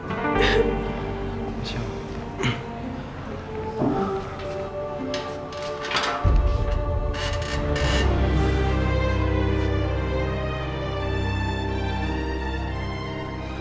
kamu jangan nangis lagi ya